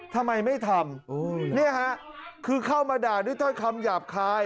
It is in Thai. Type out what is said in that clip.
ทำไมไม่ทำเนี่ยฮะคือเข้ามาด่าด้วยถ้อยคำหยาบคาย